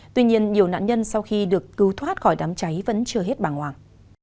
tuy nhiên nhiều nạn nhân sau khi được cứu thoát khỏi đám cháy vẫn chưa hết bàng hoàng